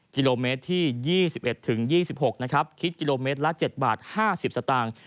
กิโลเมตรที่๒๑๒๖นะครับคิดกิโลเมตรละ๗บาท๕๐สตางค์